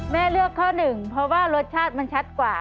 เลือกข้อหนึ่งเพราะว่ารสชาติมันชัดกว่า